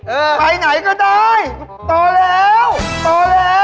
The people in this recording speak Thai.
เออไปไหนก็ได้ต่อแล้วต่อแล้ว